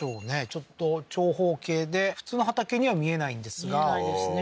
ちょっと長方形で普通の畑には見えないんですが見えないですね